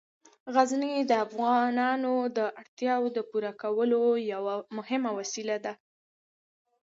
غزني د افغانانو د اړتیاوو د پوره کولو یوه مهمه وسیله ده.